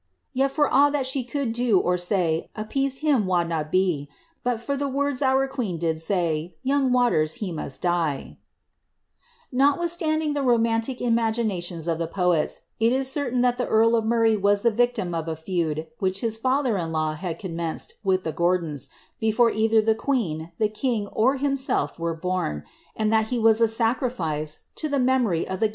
Yet for a' that she could do or say, Appeased he wad na be. But for the words our queen did say, Young Waters he must die! Notwithstanding the romantic imaginations of the poets, it is certain that the earl of Murray was the victim of a feud which his father in law had commenced with the Gordons, before either the queen, the king, or himself were born, and that he was a sacrifice to the memory of the ' This verse acquits the king of any injurious intention towards Murrar.